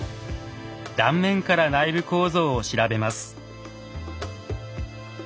断面から内部構造を調べます。